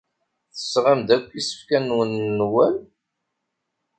Tesɣam-d akk isefka-nwen n Newwal?